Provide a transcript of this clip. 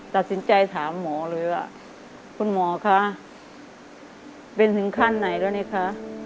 ตัดสินใจถามหมอเลยว่าคุณหมอคะเป็นถึงขั้นไหนแล้วเนี่ยคะ